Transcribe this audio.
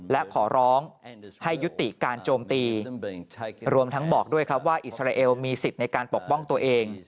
และขอร้องให้ยุติการโจมตีรวมทั้งบอกด้วยครับว่าอิสราเอลมีสิทธิ์ในการปกป้องตัวเอง